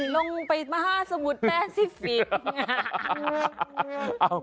ลงไปมหาสมุทรแปซิฟิกส์